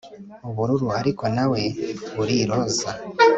ubururu, ariko nawe uri roza